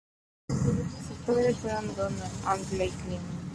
Sus padres fueron Donald and Claire Lehman.